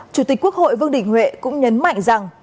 chủ tịch quốc hội vương đình huệ cũng nhấn mạnh rằng